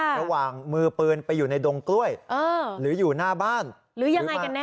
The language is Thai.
มือปืนไปอยู่ในดงกล้วยหรืออยู่หน้าบ้านหรือยังไงกันแน่